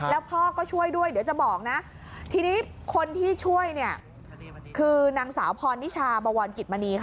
แล้วพ่อก็ช่วยด้วยเดี๋ยวจะบอกนะทีนี้คนที่ช่วยเนี่ยคือนางสาวพรนิชาบวรกิจมณีค่ะ